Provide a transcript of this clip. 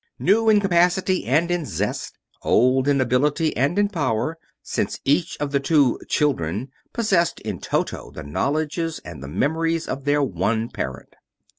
New in capacity and in zest; old in ability and in power, since each of the two "children" possessed in toto the knowledges and the memories of their one "parent."